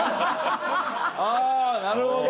ああなるほど。